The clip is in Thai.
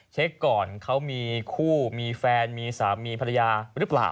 เช็คก่อนเขามีคู่มีแฟนมีสามีภรรยาหรือเปล่า